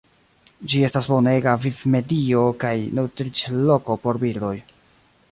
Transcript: Ĝi estas bonega vivmedio kaj nutriĝloko por birdoj.